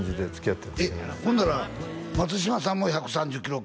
えっほんなら松嶋さんも１３０キロ？